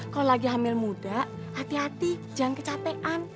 kalau lagi hamil muda hati hati jangan kecapean